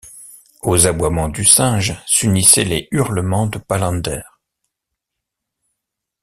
Aux aboiements du singe s’unissaient les hurlements de Palander.